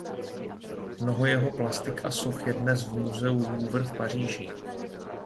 Mnoho jeho plastik a soch je dnes v muzeu Louvre v Paříži.